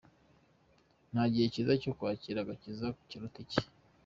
Nta gihe kiza cyo kwakira agakiza kiruta iki.